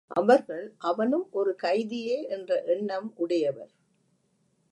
அவர்கள், அவனும் ஒரு கைதியே என்ற எண்ணம் உடையவர்.